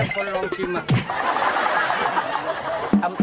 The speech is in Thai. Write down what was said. เกิดจำได้